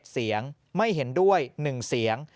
เสียงไม่เห็นด้วย๑เสียง